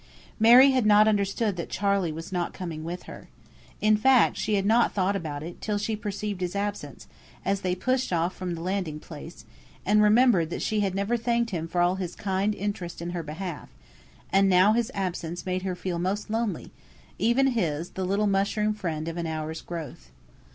Mary had not understood that Charley was not coming with her. In fact, she had not thought about it, till she perceived his absence, as they pushed off from the landing place, and remembered that she had never thanked him for all his kind interest in her behalf; and now his absence made her feel most lonely even his, the little mushroom friend of an hour's growth.